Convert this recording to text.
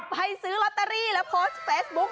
ไปซื้อรัตตารีแล้วโพสต์เฟสบุ๊ค